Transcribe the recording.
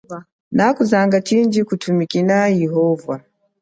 Nakuzanga chindji kutumikina yehova.